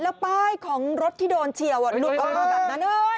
แล้วป้ายของรถที่โดนเฉียวหลุดออกมาแบบนั้น